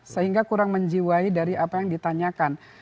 sehingga kurang menjiwai dari apa yang ditanyakan